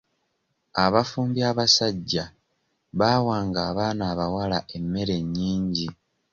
Abafumbi abasajja baawanga abaana abawala emmere nnyingi.